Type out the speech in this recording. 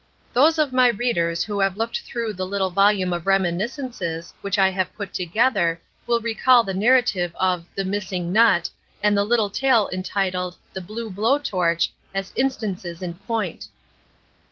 Those of my readers who have looked through the little volume of Reminiscences which I have put together, will recall the narrative of The Missing Nut and the little tale entitled The Blue Blow Torch as instances in point.